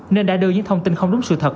nên đã đưa những thông tin không đúng sự thật